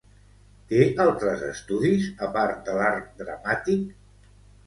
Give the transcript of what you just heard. Té altres estudis, a part de l'art dramàtic?